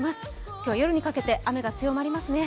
今日夜にかけて雨が強まります。